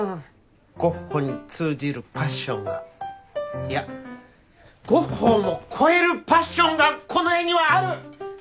ゴッホに通じるパッションがいやゴッホをも超えるパッションがこの絵にはある！